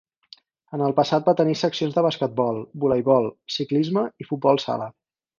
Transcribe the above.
En el passat va tenir seccions de basquetbol, voleibol, ciclisme i futbol sala.